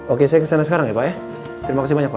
oke saya kesana sekarang ya pak ya terima kasih banyak pak